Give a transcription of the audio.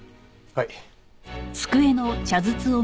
はい。